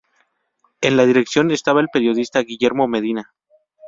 En la dirección estaba el periodista Guillermo Medina.